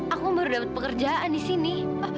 aku baru dapet pekerjaan disini